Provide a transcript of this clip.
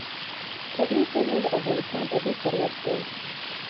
طبیعي زیرمې د افغانستان طبعي ثروت دی.